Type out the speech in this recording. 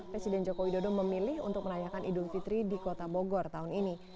presiden joko widodo memilih untuk merayakan idul fitri di kota bogor tahun ini